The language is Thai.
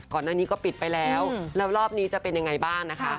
ก่อนหน้านี้ก็ปิดไปแล้วแล้วรอบนี้จะเป็นยังไงบ้างนะคะ